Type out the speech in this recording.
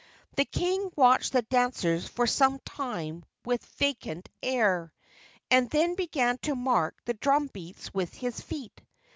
The king watched the dancers for some time with a vacant air, and then began to mark the drum beats with his feet.